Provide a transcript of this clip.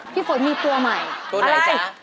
พี่ผู้ชมีตัวใหม่กุณะไหนจะอะไร